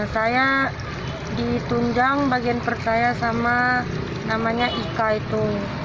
saya ditunjang bagian perut saya sama namanya ika itu